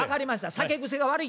酒癖が悪い。